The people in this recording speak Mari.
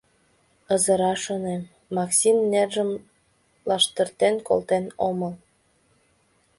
Ызыра, шонем, Максин нержым лаштыртен колтен омыл.